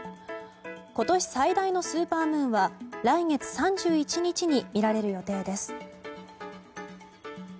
今年最大のスーパームーンは来月３１日に見られる予定です。